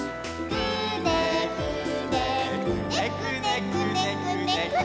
「くねくねくねくねくねくね」